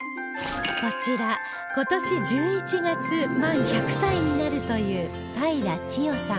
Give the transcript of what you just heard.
こちら今年１１月満１００歳になるという平良千代さん